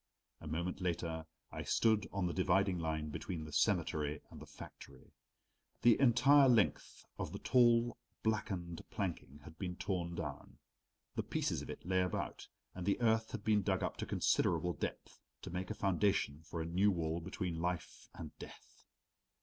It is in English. A moment later I stood on the dividing line between the cemetery and the factory. The entire length of the tall blackened planking had been torn down. The pieces of it lay about, and the earth had been dug up to considerable depth, to make a foundation for a new wall between Life and Death.